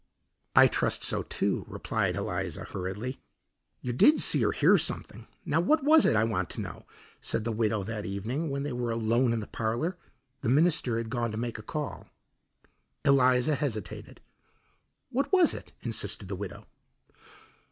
"I trust so, too," replied Eliza hurriedly. "You did see or hear something now what was it, I want to know?" said the widow that evening when they were alone in the parlour. The minister had gone to make a call. Eliza hesitated. "What was it?" insisted the widow.